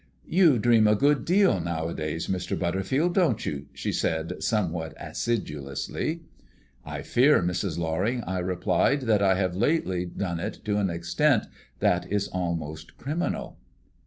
"You dream a good deal nowadays, Mr. Butterfield, don't you?" she said, somewhat acidulously. "I fear, Mrs. Loring," I replied, "that I have lately done it to an extent that is almost criminal."